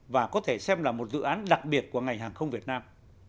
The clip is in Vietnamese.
và có thể xem là một dự án đặc biệt của ngành hàng không việt nam